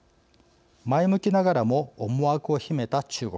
前向きながらも思惑を秘めた中国。